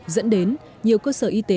dẫn đến nhiều cơ sở y tế còn chưa được